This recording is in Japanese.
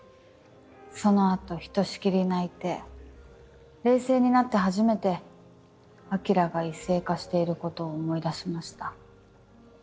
その後ひとしきり泣いて冷静になって初めて晶が異性化していることを思い出しました。